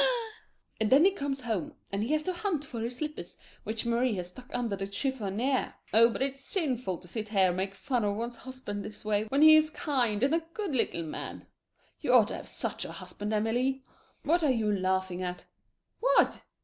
And then he comes home and has to hunt for his slippers which Marie has stuck under the chiffonier oh, but it's sinful to sit here and make fun of one's husband this way when he is kind and a good little man. You ought to have had such a husband, Amelie. What are you laughing at? What?